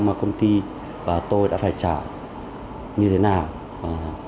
mà công ty và tôi đã phải trả như thế nào